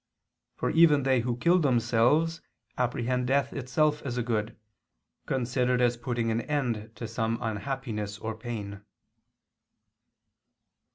For even they who kill themselves, apprehend death itself as a good, considered as putting an end to some unhappiness or pain.